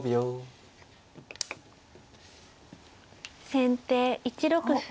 先手１六歩。